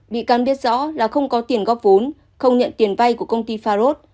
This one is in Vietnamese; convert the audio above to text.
bị căn biết rõ là không có tiền góp vốn không nhận tiền vay của công ty faros